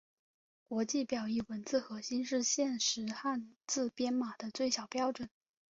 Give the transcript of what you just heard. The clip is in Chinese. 国际表意文字核心是现时汉字编码的最小标准。